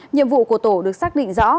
nhiệm vụ của tổ được xác định rõ